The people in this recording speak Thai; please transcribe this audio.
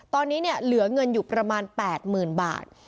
ตอนนี้เหลือเงินอยู่ประมาณ๘๐๐๐บาท